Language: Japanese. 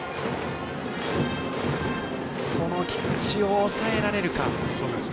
この菊地を抑えられるか。